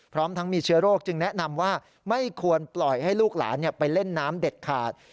พร้อมทั้งมีเชื้อโรคจึงแนะนำว่าไม่ควรปล่อยให้ลูกหลานไปเล่นน้ำเด็ดขาด